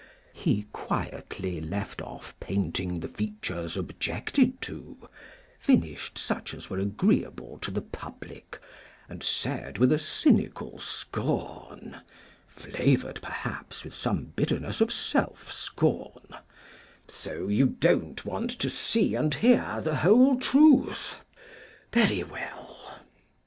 —he quietly left off painting the features objected to, finished such as were agreeable to the public, and said with a cynical scorn (flavored perhaps with some bitterness of self scorn), "_So you don't want to see and hear the whole truth? Very well!"